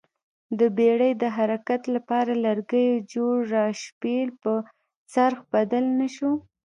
د بېړۍ د حرکت لپاره لرګیو جوړ راشبېل په څرخ بدل نه شو